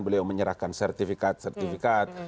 beliau menyerahkan sertifikat sertifikat